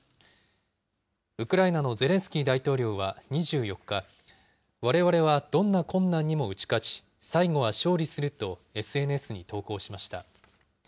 ウクライナのゼレンスキー大統領は２４日、われわれはどんな困難にも打ち勝ち、最後は勝利するとＳＮＳに投稿しました。